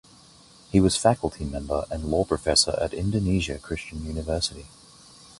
He was faculty member and law professor at Indonesia Christian University.